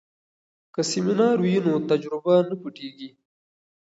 که سمینار وي نو تجربه نه پټیږي.